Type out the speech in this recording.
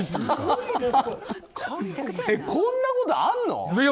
こんなことあるの？